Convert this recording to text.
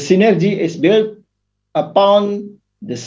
sinergi itu dibangun dari